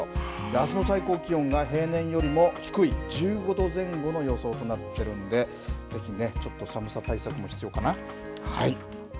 あすの最高気温が平年よりも低い１５度前後の予想となっているんで、ぜひね、ちょっと寒さ対策も必要かな。